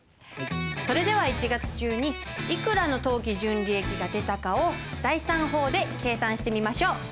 それでは１月中にいくらの当期純利益が出たかを財産法で計算してみましょう。